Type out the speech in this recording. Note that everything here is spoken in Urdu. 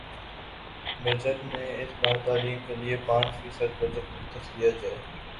بجٹ میں اس بار تعلیم کے لیے پانچ فیصد بجٹ مختص کیا جائے